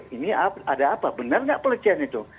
berpikir ini ada apa benar tidak pelecehan itu